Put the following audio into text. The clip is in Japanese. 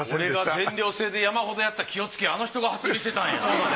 俺が全寮制で山ほどやった気をつけあの人が発明してたんやな。